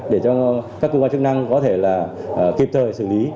để cho các cơ quan chức năng có thể là kịp thời xử lý